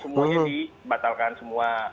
semuanya dibatalkan semua